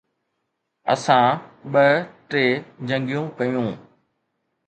اسان ٻه ٽي جنگيون ڪيون.